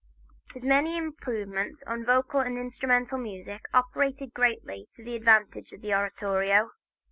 His many improvements in vocal and instrumental music operated greatly to the advantage of the oratorio.